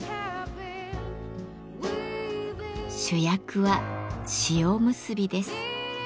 主役は塩むすびです。